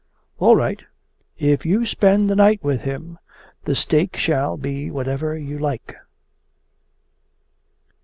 'All right! If you spend the night with him, the stake shall be whatever you like.